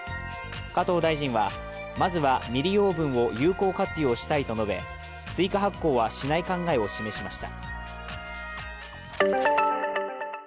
加藤大臣は、まずは未利用分を有効活用したいと述べ追加発行はしない考えを示しました。